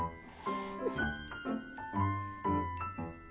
フフフ。